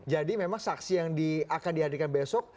jadi memang saksi yang akan dihadirkan besok